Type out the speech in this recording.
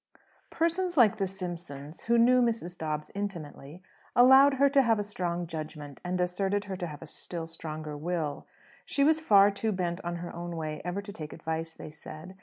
Persons like the Simpsons, who knew Mrs. Dobbs intimately, allowed her to have a strong judgment, and asserted her to have a still stronger will. She was far too bent on her own way ever to take advice, they said.